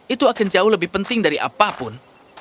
itu akan jauh lebih penting dari apapun